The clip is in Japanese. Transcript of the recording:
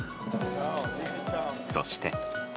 そして。